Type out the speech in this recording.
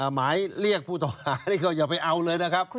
หมายเรียกผู้ต้องหานี่ก็อย่าไปเอาเลยนะครับ